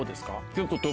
結構。